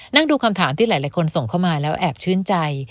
นั่งดูคำถามที่หลายคนส่งเข้ามาแล้วแอบชื่นใจ